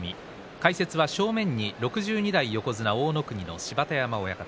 解説は正面に６２代横綱大乃国の芝田山親方。